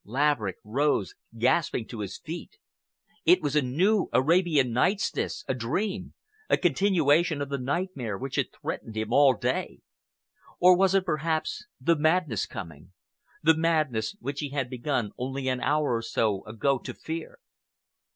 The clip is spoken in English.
Laverick rose gasping to his feet. It was a new Arabian Nights, this!—a dream!—a continuation of the nightmare which had threatened him all day! Or was it, perhaps, the madness coming—the madness which he had begun only an hour or so ago to fear!